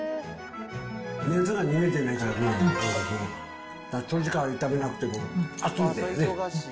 水が逃げてないから、長時間炒めなくても、熱いんだよね。